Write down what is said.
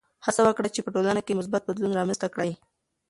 هڅه وکړه چې په ټولنه کې مثبت بدلون رامنځته کړې.